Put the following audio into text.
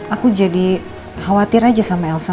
aku jadi khawatir aja sama elsa